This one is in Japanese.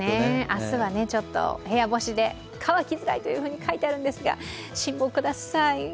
明日は部屋干しで、乾きづらいと書いてありますが、辛抱ください。